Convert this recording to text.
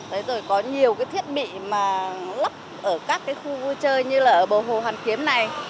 rồi có nhiều cái thiết bị mà lấp ở các cái khu vui chơi như là bầu hồ hàn kiếm này